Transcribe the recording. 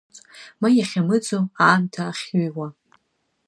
Ма иахьымаӡоу аамҭа ахьыҩуа?!